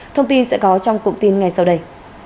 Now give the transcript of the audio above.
thông tin sẽ có trong cụm tin ngay sau đây